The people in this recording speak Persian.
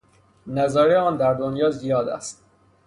نظایر آن در دنیا زیاد است